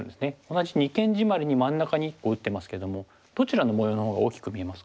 同じ二間ジマリに真ん中に１個打ってますけどもどちらの模様のほうが大きく見えますか？